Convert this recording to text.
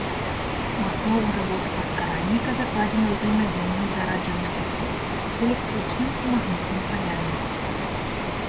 У аснову работы паскаральніка закладзена ўзаемадзеянне зараджаных часціц з электрычным і магнітным палямі.